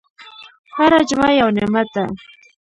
هره جمعه یو نعمت ده.